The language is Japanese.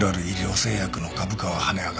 製薬の株価は跳ね上がる。